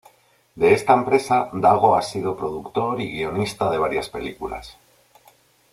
De esta empresa Dago ha sido productor y guionista de varias películas.